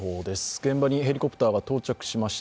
現場にヘリコプターが到着しました。